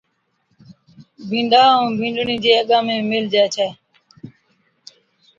بِينڏَ ائُون بِينڏڙِي چي اَگا ۾ ميلهجي ڇَي